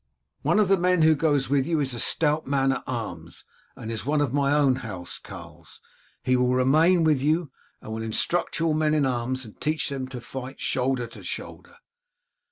One of the men who goes with you is a stout man at arms and is one of my own house carls; he will remain with you and will instruct your men in arms and teach them to fight shoulder to shoulder.